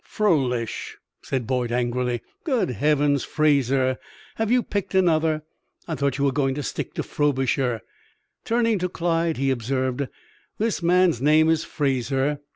"'Froelich'!" said Boyd, angrily; "good heavens, Fraser, have you picked another? I thought you were going to stick to 'Frobisher.'" Turning to Clyde, he observed: "This man's name is Fraser.